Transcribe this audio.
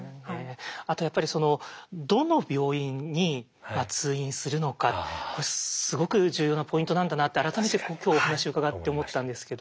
あとやっぱりどの病院に通院するのかこれすごく重要なポイントなんだなって改めて今日お話伺って思ったんですけど。